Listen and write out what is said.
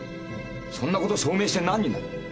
そんなこと証明してなんになる。